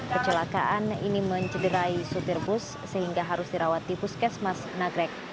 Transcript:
kecelakaan ini mencederai supir bus sehingga harus dirawat di puskesmas nagrek